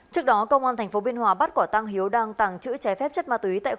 trước đó công an thành phố biên hòa bắt quả tăng hiếu đăng tàng chữ trái phép chất ma túy